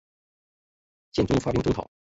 宪宗发兵征讨。